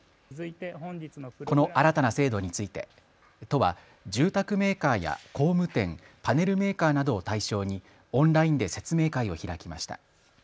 この新たな制度について都は住宅メーカーや工務店、パネルメーカーなどを対象にオンラインで説明会を開きました。